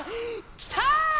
きた！